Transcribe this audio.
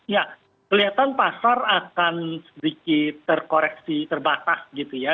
ya kelihatan pasar akan sedikit terkoreksi terbatas gitu ya